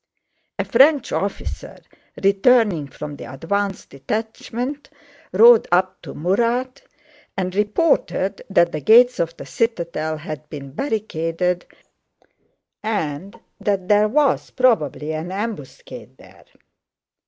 A French officer, returning from the advanced detachment, rode up to Murat and reported that the gates of the citadel had been barricaded and that there was probably an ambuscade there.